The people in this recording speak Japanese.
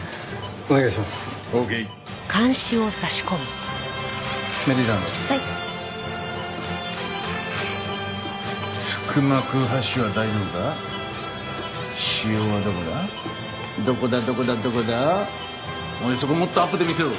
おいそこもっとアップで見せろ。